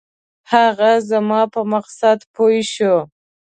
هغه زما په مقصد پوی شو.